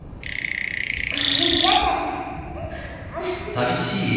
間違えちゃった。